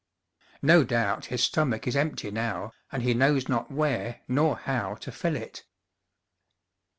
No doubt his stomach is empty now, and he knows not where nor how to fill it.